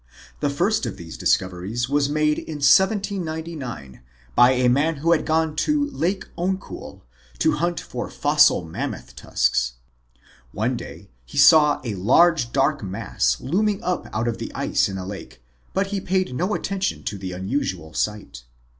The first of these discoveries was made in 1799 by a man who had gone to Lake Onkoul to hunt for fossil Mammoth tusks. One day he saw a huge, dark mass looming up out of the ice in the lake, but he paid no attention to the unusual sight.